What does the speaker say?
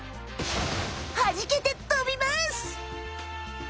はじけて飛びます！